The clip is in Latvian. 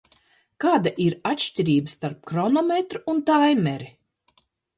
Kāda ir atšķirība starp hronometru un taimeri?